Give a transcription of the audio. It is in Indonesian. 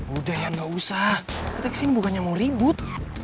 udah ya nggak usah kita kesini bukannya mau ribut